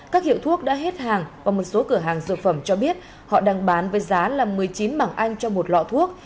các hiệu thuốc đã hết hàng và một số cửa hàng dược phẩm cho biết họ đang bán với giá là một mươi chín bảng anh cho một lọ thuốc